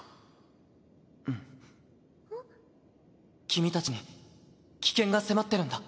君たちに危険が迫ってるんだ。